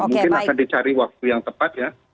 mungkin akan dicari waktu yang tepat ya